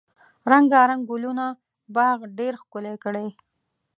رنګارنګ ګلونه باغ ډیر ښکلی کړی.